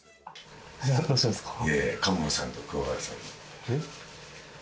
どうしたんですか？